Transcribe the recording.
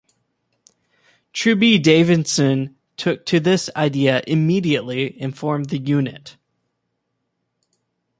Trubee Davison took to this idea immediately and formed the Unit.